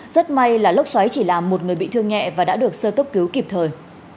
rất may là lốc xoáy chỉ làm một người bị thương nhẹ và đã được sơ cấp cứu kịp thời